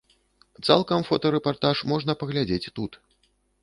Цалкам фотарэпартаж можна паглядзець тут.